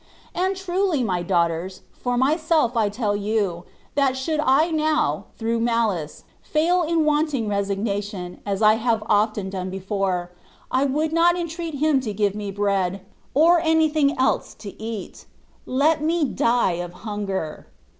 And truly, my daughters, for myself I tell you, that should I now, through malice, fail in wanting resignation (as I have often done before), I would not entreat Him to give me bread, or anything else to eat : let me die of hunger.